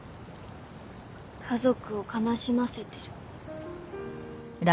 家族を悲しませてる。